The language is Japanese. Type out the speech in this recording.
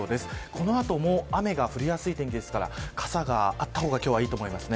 この後も、雨が降りやすいですから傘があった方がいいと思います。